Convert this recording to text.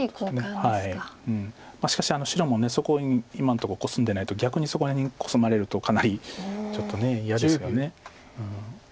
しかし白もそこに今のとこコスんでないと逆にそこにコスまれるとかなりちょっと嫌ですよね。